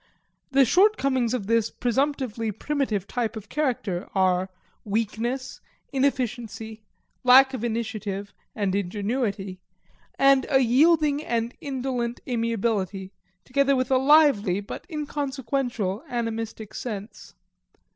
The shortcomings of this presumptively primitive type of character are weakness, inefficiency, lack of initiative and ingenuity, and a yielding and indolent amiability, together with a lively but inconsequential animistic sense.